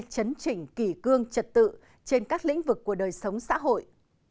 chấn chỉnh kỳ cương trật tự trên các lĩnh vực của đời sống xã hội